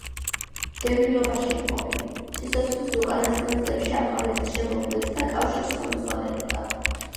დევნილობაში მყოფი, სიცოცხლის უკანასკნელ წლებში აფხაზეთის შემოქმედთა კავშირს ხელმძღვანელობდა.